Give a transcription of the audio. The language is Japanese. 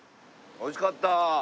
おいしかった。